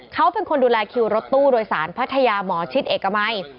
เขาเป็นคนดูแลคิวรถตู้โดยสารพัทยาหมอชิดเอกมัย